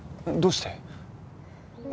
どうして？